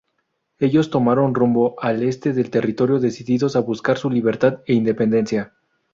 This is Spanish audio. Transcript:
Ellos tomaron rumbo al este del territorio decididos a buscar su libertad e independencia.